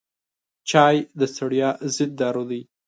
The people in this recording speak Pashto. چای د ستړیا ضد دارو دی.